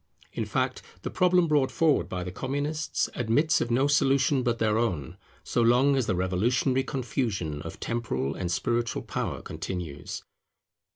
In fact, the problem brought forward by the Communists admits of no solution but their own, so long as the revolutionary confusion of temporal and spiritual power continues.